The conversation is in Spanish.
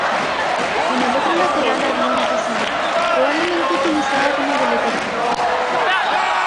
En el otro lateral había una casilla, probablemente utilizada como boletería.